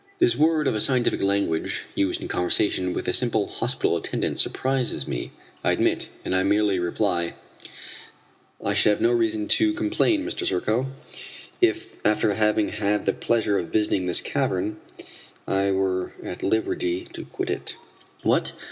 This word of a scientific language used in conversation with a simple hospital attendant surprises me, I admit, and I merely reply: "I should have no reason to complain, Mr. Serko, if, after having had the pleasure of visiting this cavern, I were at liberty to quit it." "What!